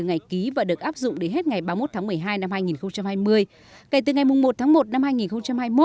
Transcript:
ngày ký và được áp dụng đến hết ngày ba mươi một tháng một mươi hai năm hai nghìn hai mươi kể từ ngày một tháng một năm hai nghìn hai mươi một